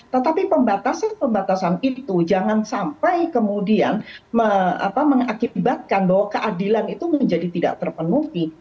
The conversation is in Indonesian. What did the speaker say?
tetapi pembatasan pembatasan itu jangan sampai kemudian mengakibatkan bahwa keadilan itu menjadi tidak terpenuhi